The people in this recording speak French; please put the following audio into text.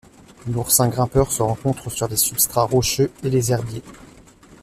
L'oursin grimpeur se rencontre sur les substrats rocheux et les herbiers.